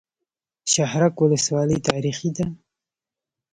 شهرک ولسوالۍ تاریخي ده؟